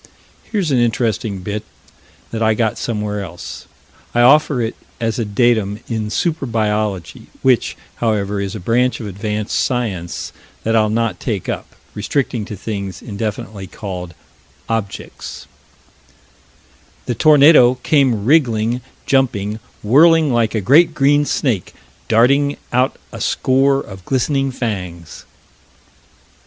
Here's an interesting bit that I got somewhere else. I offer it as a datum in super biology, which, however, is a branch of advanced science that I'll not take up, restricting to things indefinitely called "objects" "The tornado came wriggling, jumping, whirling like a great green snake, darting out a score of glistening fangs."